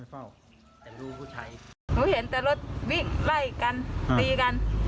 หนูเห็นแต่รถวิ่งไล่กันตีกัน